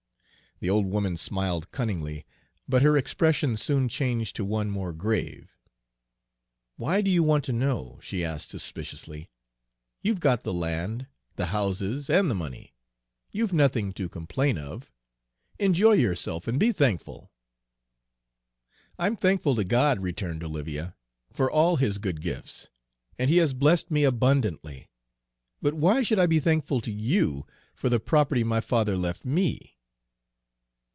The old woman smiled cunningly, but her expression soon changed to one more grave. "Why do you want to know?" she asked suspiciously. "You've got the land, the houses, and the money. You've nothing to complain of. Enjoy yourself, and be thankful!" "I'm thankful to God," returned Olivia, "for all his good gifts, and He has blessed me abundantly, but why should I be thankful to you for the property my father left me?"